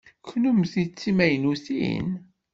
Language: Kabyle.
Kennemti d timaynutin?